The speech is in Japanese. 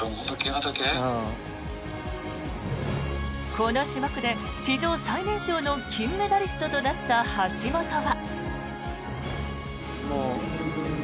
この種目で史上最年少の金メダリストとなった橋本は。